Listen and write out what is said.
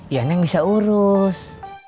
ya neng bisa urus